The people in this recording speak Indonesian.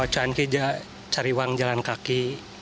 cuanki cari uang jalan kaki